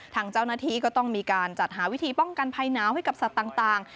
ทางเจ้าหน้าที่ก็ต้องมีการจัดหาวิธีป้องกันภัยหนาวให้กับสัตว์ต่าง